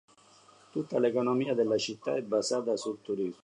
Tutta l'economia della città è basata sul turismo.